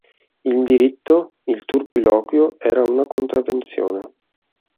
In diritto, il turpiloquio era una contravvenzione.